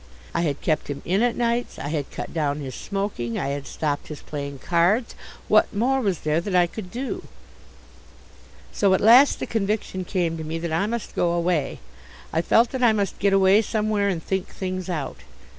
I had kept him in at nights. I had cut down his smoking. I had stopped his playing cards. What more was there that I could do? So at last the conviction came to me that I must go away. I felt that I must get away somewhere and think things out.